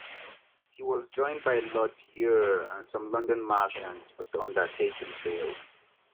He was joined by Lord Eure and some London merchants, but the undertaking failed.